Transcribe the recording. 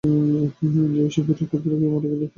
সে এসব ভিড়ের ক্ষেত্রে কেউ মারা গেলেও তার কোনো যায় আসেনা।